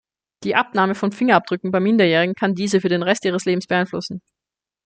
Die Abnahme von Fingerabdrücken bei Minderjährigen kann diese für den Rest ihres Lebens beeinflussen.